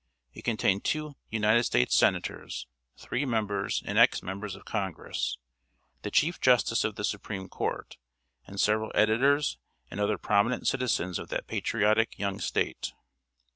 It contained two United States Senators, three members and ex members of Congress, the Chief Justice of the Supreme Court, and several editors and other prominent citizens of that patriotic young State.